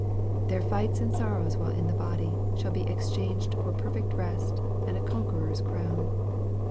Their fights and sorrows while in the body, shall be exchanged for perfect rest "and a conqueror's crown.